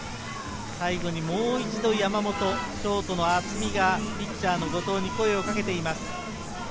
最後にもう一度山本、ショートの渥美がピッチャーの後藤に声をかけています。